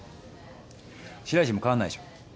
白石も変わんないでしょ。